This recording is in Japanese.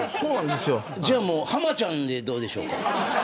じゃあ浜ちゃんでどうでしょうか。